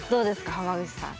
濱口さん。